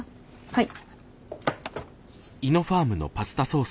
はい。